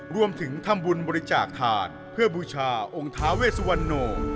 รวมถึงทำบุญบริจาคถาดเพื่อบูชาองค์ท้าเวสวันโน